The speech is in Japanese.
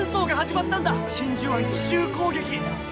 「真珠湾奇襲攻撃」。